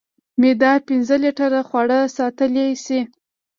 معده پنځه لیټره خواړه ساتلی شي.